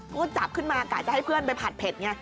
ก็จับขึ้นมากะจะให้เพื่อนไปผัดเผ็ดไง